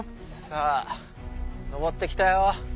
さぁ登ってきたよ。